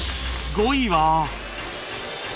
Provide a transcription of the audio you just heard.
５位は